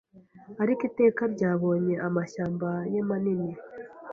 Ariko Iteka ryabonye amashyamba ye Manini